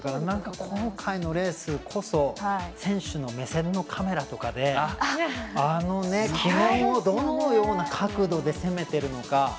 今回のレースこそ選手の目線のカメラとかで旗門をどのような角度で攻めているのか。